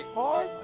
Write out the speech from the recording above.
はい。